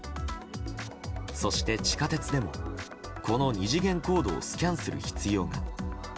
そして地下鉄でもこの２次元コードをスキャンする必要が。